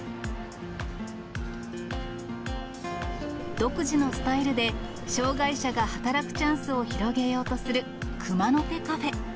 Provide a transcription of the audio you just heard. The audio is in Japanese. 独自のスタイルで障がい者が働くチャンスを広げようとする、熊の手カフェ。